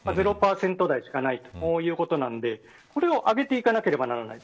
０％台しかないということなのでこれを上げていかなければいけない。